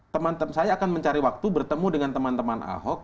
teman teman saya akan mencari waktu bertemu dengan teman teman ahok